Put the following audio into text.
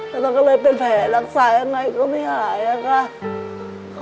แล้วมันก็เลยเป็นแผลรักษายังไงก็ไม่หายค่ะ